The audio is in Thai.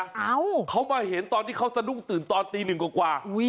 เขามาดูเขามาเห็นตอนที่เข้าสะดุ้งตื่นตอนที่๑กว่า